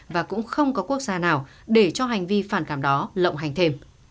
và cũng không có quốc gia nào để cho hành vi phản cảm đó lộng hành thêm